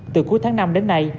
từ cuối tháng năm đến nay